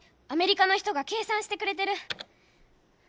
アメリカの人が計算してくれてる。